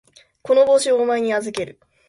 この帽子をお前に預ける。